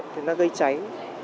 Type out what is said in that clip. thì nó gây cháy